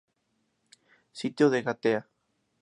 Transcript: Sitio de Gaeta